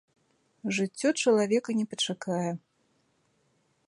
Жыццё чалавека не пачакае.